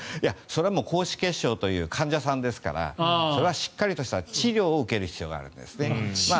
それは高脂血症という患者さんですからそれはしっかりとした治療を受ける必要があるんですね。